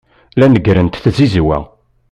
La neggrent tzizwa.